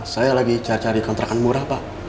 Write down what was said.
saya lagi cari cari kontrakan murah pak